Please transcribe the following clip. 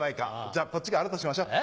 じゃこっちがあるとしましょう。